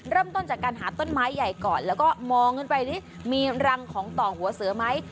เริ่มต้นจากการหาต้นไม้ใหญ่ก่อนแล้วก็มองขึ้นไปดิมีรังของต่องหัวเสือไหม